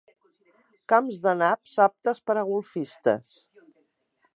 Camps de naps aptes per a golfistes.